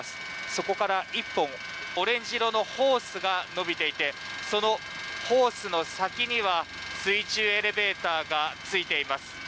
そこから１本、オレンジ色のホースが伸びていてそのホースの先には水中エレベーターがついています。